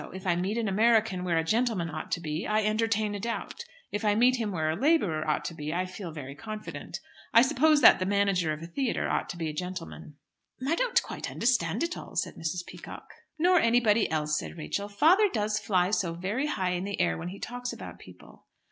If I meet an American where a gentleman ought to be, I entertain a doubt; if I meet him where a labourer ought to be, I feel very confident. I suppose that the manager of a theatre ought to be a gentleman." "I don't quite understand it all," said Mrs. Peacock. "Nor anybody else," said Rachel. "Father does fly so very high in the air when he talks about people."